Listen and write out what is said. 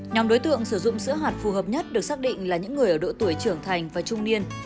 nhóm đối tượng sử dụng sữa hạt phù hợp nhất được xác định là những người ở độ tuổi trưởng thành và trung niên